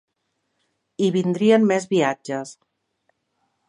I vindrien més viatges.